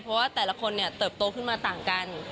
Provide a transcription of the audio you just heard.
เพราะว่าแต่ละคนเนี่ยเติบโตขึ้นมาต่างกัน